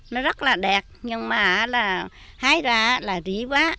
nó rất là đẹp nhưng mà hái ra là rí quá